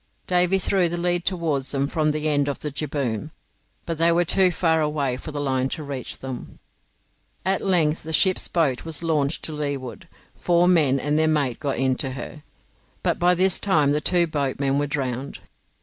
Davy threw the lead towards them from the end of the jibboom, but they were too far away for the line to reach them. At length the ship's boat was launched to leeward, four men and the mate got into her, but by this time the two boatmen were drowned.